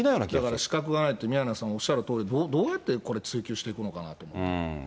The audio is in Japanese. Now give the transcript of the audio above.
だから資格がないって宮根さんがおっしゃるとおり、どうやってこれ、追及していくのかなと思う。